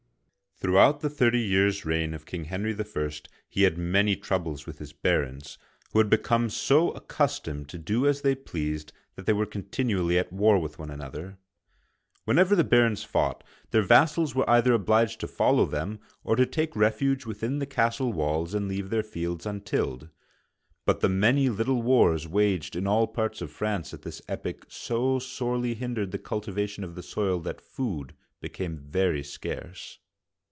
Throughout the thirty years* reign of King Henry I., he had many troubles with his barons, who had become so accustomed to do as they pleased that they were continu ally at war with one another. Whenever the barons fought, their vassals were either obliged to follow them, or to take refuge within the castle walls and leave their fields un tilled. But the many little wars waged in all parts of uigiTizea Dy vjiOOQlC HENRY I. (1031 1060) 107 France at this epoch so sorely hindered the cultivation of the soil that food became very scarce.